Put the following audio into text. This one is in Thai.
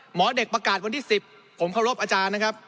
หมอเด็กประกาศวันที่๑๐ผมเคารพอาจารย์นะครับ